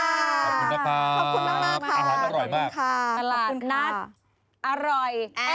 ขอบคุณมากขอบคุณค่ะอาหารอร่อยมาก